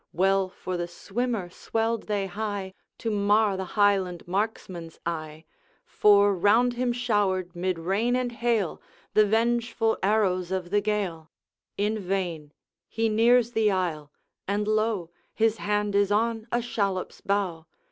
Well for the swimmer swelled they high, To mar the Highland marksman's eye; For round him showered, mid rain and hail, The vengeful arrows of the Gael. In vain. He nears the isle and lo! His hand is on a shallop's bow.